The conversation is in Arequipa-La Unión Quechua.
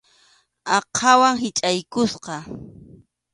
Aqhawan hichʼaykusqa.